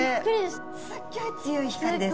すギョい強い光です。